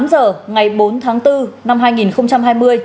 tám giờ ngày bốn tháng bốn năm hai nghìn hai mươi